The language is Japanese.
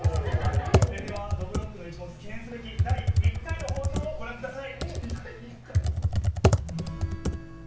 では「どぶろっくの一物」記念すべき第１回の放送をご覧ください。